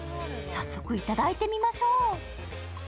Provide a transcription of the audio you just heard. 早速いただいてみましょう。